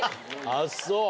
あっそう。